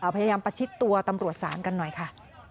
พยายามประชิดตัวตำรวจศาลกันหน่อยค่ะ